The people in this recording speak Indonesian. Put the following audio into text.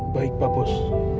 baik pak bos